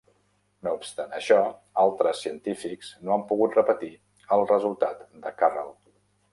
No obstant això, altres científics no han pogut repetir el resultat de Carrel.